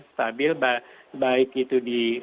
stabil baik itu di